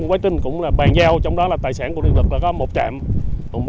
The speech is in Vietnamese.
bàn giao trong đó là tài sản của điện lực có một trạm